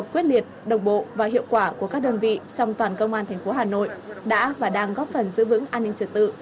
quyết liệt đồng bộ và hiệu quả của các đơn vị trong toàn công an tp hà nội đã và đang góp phần giữ vững an ninh trật tự